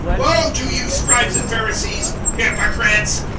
(29)Woe to you, scribes and Pharisees, hypocrites!